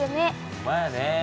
ほんまやね。